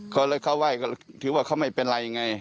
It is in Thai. เขาเลยเขาไหว้ก็ถือว่าเขาไม่เป็นไรไง